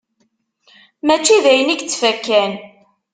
Mačči d ayen i yettfakkan